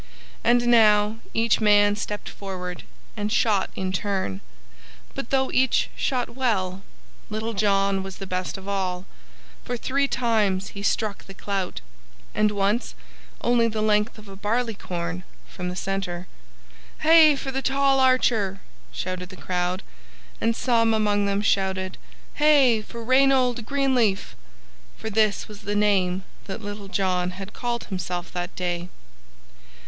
And now each man stepped forward and shot in turn; but though each shot well, Little John was the best of all, for three times he struck the clout, and once only the length of a barleycorn from the center. "Hey for the tall archer!" shouted the crowd, and some among them shouted, "Hey for Reynold Greenleaf!" for this was the name that Little John had called himself that day.